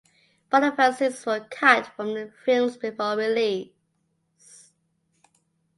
Both of her scenes were cut from the films before release.